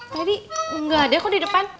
tadi gak ada kok di depan